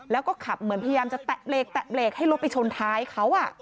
แล้วก็ขับเหมือนพยายามจะแตะเลกแตะเบรกให้รถไปชนท้ายเขา